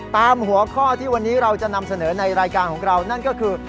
หัวข้อที่วันนี้เราจะนำเสนอในรายการของเรานั่นก็คือ